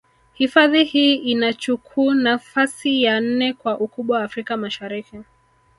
Hifadhi hii inachuku nafasi ya nne kwa ukubwa Afrika Mashariki